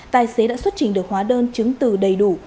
tài xế đã xuất trình được hóa đơn chứng từ đầy đủ